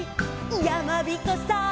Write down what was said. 「やまびこさん」